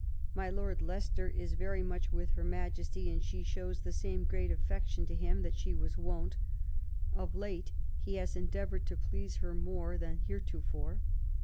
My Lord Leicester is very much with Her Majesty, and she shows the same great affection to him that she was wont ; of late he has endeavoured to please her more than heretofore.